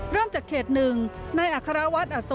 เริ่มจากเขต๑นายอัคราวัดอัศวะเห็ม